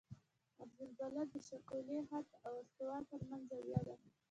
عرض البلد د شاقولي خط او استوا ترمنځ زاویه ده